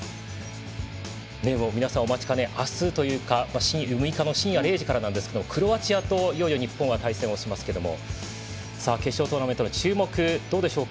皆さんお待ちかね、明日というか６日の深夜０時からなんですがクロアチアといよいよ日本は対戦をしますが決勝トーナメントの注目どうでしょうか。